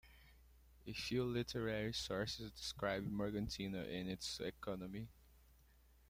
A few literary sources describe Morgantina and its economy.